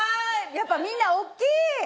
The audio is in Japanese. やっぱみんな大きい！